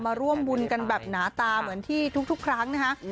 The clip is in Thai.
มาร่วมบุญกันแบบหนาตาเหมือนที่ทุกครั้งนะคะ